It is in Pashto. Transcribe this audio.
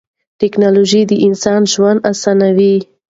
تکنالوژي د انسان ژوند اسانوي.